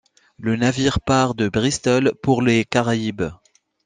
Le navire part de Bristol pour les Caraïbes.